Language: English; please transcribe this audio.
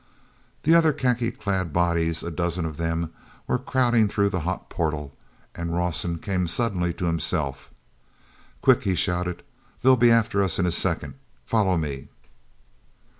Then other khaki clad bodies, a dozen of them, were crowding through the hot portal, and Rawson came suddenly to himself. "Quick!" he shouted. "They'll be after us in a second. Follow me."